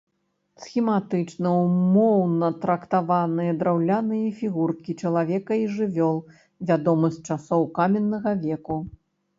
Схематычна, умоўна трактаваныя драўляныя фігуркі чалавека і жывёл вядомы з часоў каменнага веку.